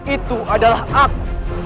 itu adalah aku